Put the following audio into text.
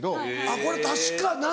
これ確かなの？